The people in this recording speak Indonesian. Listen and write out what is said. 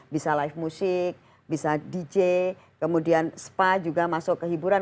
bisa live music bisa dj kemudian spa juga masuk ke hiburan